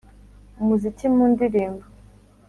umuziki mu ndirimbo